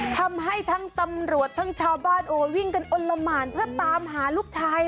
ทำให้ทั้งตำรวจทั้งชาวบ้านโอ้วิ่งกันอ้นละหมานเพื่อตามหาลูกชาย